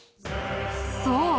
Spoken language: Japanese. そう。